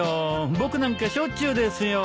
僕なんかしょっちゅうですよ。